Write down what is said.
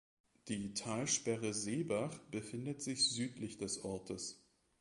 Die Talsperre Seebach befindet sich südlich des Ortes.